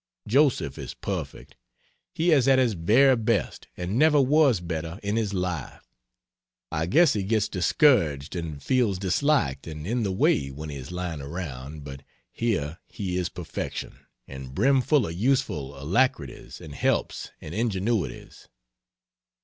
Joseph is perfect. He is at his very best and never was better in his life. I guess he gets discouraged and feels disliked and in the way when he is lying around but here he is perfection, and brim full of useful alacrities and helps and ingenuities.